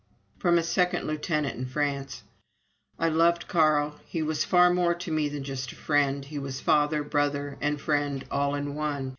From a second lieutenant in France: "I loved Carl. He was far more to me than just a friend he was father, brother, and friend all in one.